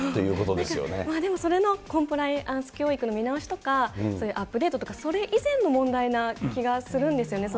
なんか、でもそれのコンプライアンス教育の見直しとか、アップデートとか、それ以前の問題な気がするんですよね。